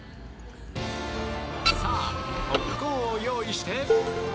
さあ、ポップコーンを用意して。